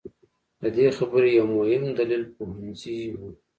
د دې خبرې یو مهم دلیل پوهنځي وو.